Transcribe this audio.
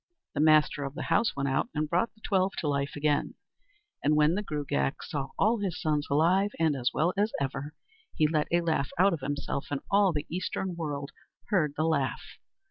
The master of the house went out and brought the twelve to life again; and when the Gruagach saw all his sons alive and as well as ever, he let a laugh out of himself, and all the Eastern world heard the laugh.